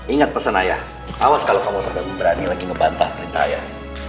ingat pesan ayah awas kalau kamu sampai berani lagi ngebantah perintah ayah